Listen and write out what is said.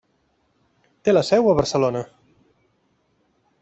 Té la seu a Barcelona.